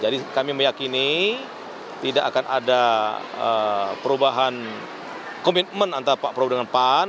jadi kami meyakini tidak akan ada perubahan komitmen antara pak prabowo dengan pan